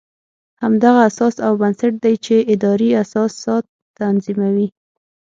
همدغه اساس او بنسټ دی چې ادارې اساسات تنظیموي.